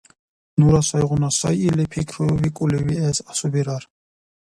Нура сайгъуна сай или пикриикӀули виэс асубирар.